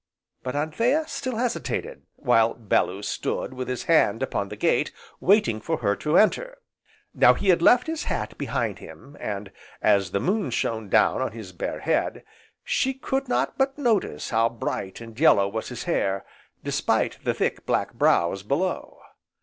But Anthea still hesitated, while Bellew stood with his hand upon the gate, waiting for her to enter. Now he had left his hat behind him, and, as the moon shone down on his bare head, she could not but notice how bright, and yellow was his hair, despite the thick, black brows below.